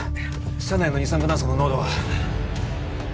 車内の二酸化炭素の濃度は？